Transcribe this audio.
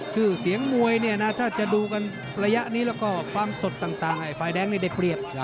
คือเสียงมวยถ้าจะดูภายะนี้และฟังสดต่างฝ่ายแดงได้เปลี่ยบ